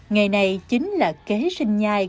ngày nay chính là kế sinh nhai